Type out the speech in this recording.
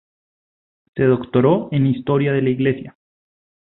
Se doctoró en Historia de la Iglesia.